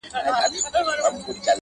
يو په بل يې ښخول تېره غاښونه!